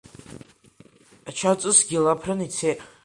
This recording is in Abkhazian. Ачаҵысгьы лаԥрын ицеит.